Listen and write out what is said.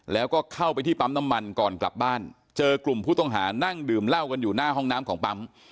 แล้วก็เข้าไปที่ปั๊มน้ำมันก่อนกลับบ้านเจอกลุ่มผู้ต้องหานั่งดื่มเหล้ากันอยู่หน้าห้องน้ำของปั๊ม